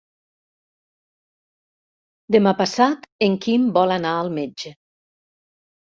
Demà passat en Quim vol anar al metge.